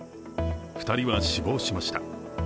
２人は死亡しました。